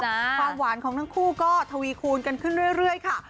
ความหวานของทั้งคู่ก็ทวีคูณกันขึ้นเรื่อยค่ะ